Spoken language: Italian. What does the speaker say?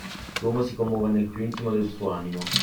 L'uomo si commuove nel più intimo del suo animo